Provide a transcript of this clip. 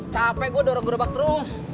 capek gue dorong gerobak terus